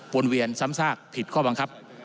วนเวียนซ้ำซากผิดข้อบังคับ